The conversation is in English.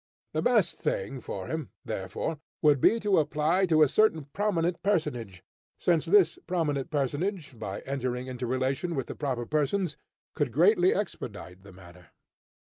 The best thing for him, therefore, would be to apply to a certain prominent personage; since this prominent personage, by entering into relation with the proper persons, could greatly expedite the matter.